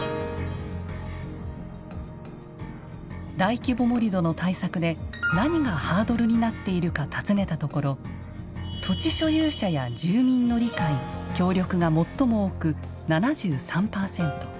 大規模盛土の対策で何がハードルになっているか尋ねたところ「土地所有者や住民の理解・協力」が最も多く７３％。